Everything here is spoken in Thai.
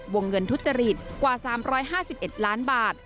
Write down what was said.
วงเงินทุจริตกว่า๓๕๑ล้านบาท